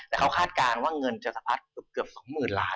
แต่เขาคาดการณ์ว่าเงินจะสะพัดเกือบ๒๐๐๐ล้าน